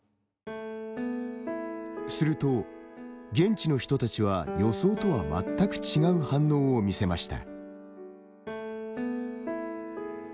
すると、現地の人たちは予想とはまったく違う反応を見せました。